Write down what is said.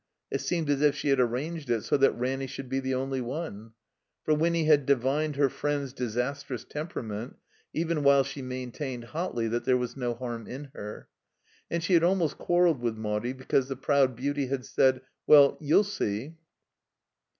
It seemed as if she had arranged it so that Ranny should be the only one. For Winny had divined her friend's disastrous temperament even while she maintained hotly that there was no harm in her. And she had almost quarreled with Maudie because the proud beauty had said, "Well, you'll see."